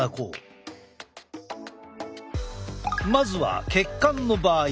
まずは血管の場合。